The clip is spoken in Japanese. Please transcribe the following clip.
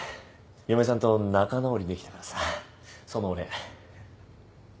嫁さんと仲直りできたからさそのお礼。